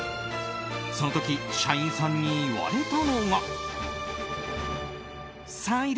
その時、社員さんに言われたのが。